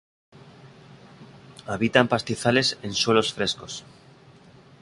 Habita en pastizales en suelos frescos.